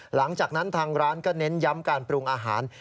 หลังจากนั้นทางร้านก็เน้นย้ำการปรุงอาหาร